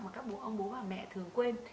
mà các ông bố và mẹ thường quên